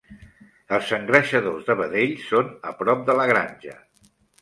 Els engreixadors de vedells són a prop de la granja.